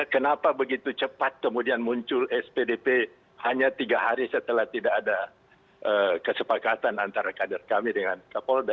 kenapa begitu cepat kemudian muncul spdp hanya tiga hari setelah tidak ada kesepakatan antara kader kami dengan kapolda